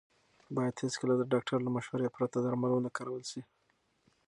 باید هېڅکله د ډاکټر له مشورې پرته درمل ونه کارول شي.